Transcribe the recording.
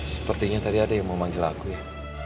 sepertinya tadi ada yang mau manggil aku ya